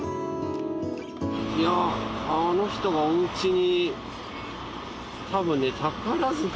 いやあの人がおうちに。